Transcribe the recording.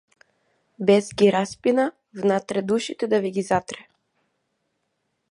Бес ги распина внатре душите да ви ги затре.